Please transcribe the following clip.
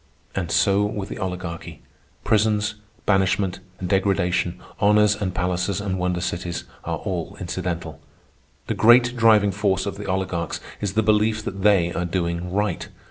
And so with the Oligarchy. Prisons, banishment and degradation, honors and palaces and wonder cities, are all incidental. The great driving force of the oligarchs is the belief that they are doing right.